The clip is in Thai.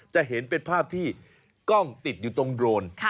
จะเห็นเป็นภาพที่กล้องติดอยู่ตรงโดรน